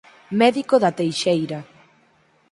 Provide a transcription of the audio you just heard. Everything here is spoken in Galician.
Médico da Teixeira.